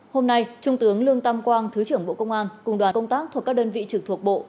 hôm nay trung tướng lương tam quang thứ trưởng bộ công an cùng đoàn công tác thuộc các đơn vị trực thuộc bộ